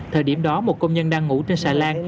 thời điểm đó một công nhân đang ngủ trên xà lan